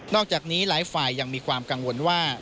อกจากนี้หลายฝ่ายยังมีความกังวลว่า